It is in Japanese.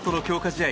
試合